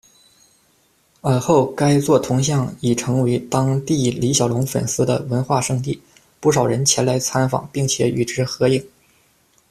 而后该座铜像已成为当地李小龙粉丝的「文化圣地」，不少人前来参访并且与之合影。